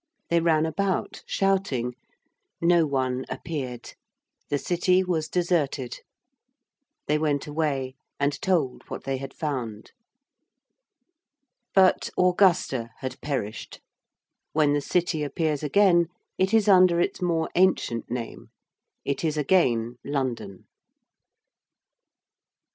They ran about shouting no one appeared: the City was deserted. They went away and told what they had found. But Augusta had perished. When the City appears again it is under its more ancient name it is again London.